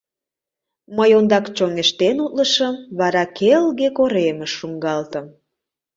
Мый ондак чоҥештен утлышым, вара ке-елге коремыш шуҥгалтым.